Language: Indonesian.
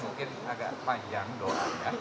mungkin agak panjang doanya